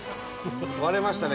割れましたね